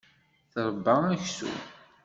Tṛebba aksum.